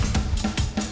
eh diem ya pak